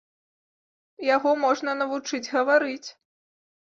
Яго можна навучыць гаварыць.